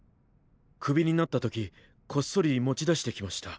クビになった時こっそり持ち出してきました。